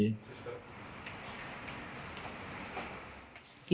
di wisma atlet kebetulan tidak ada yang bisa dikonsumsi